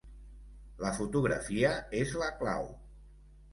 La fotografia és la clau.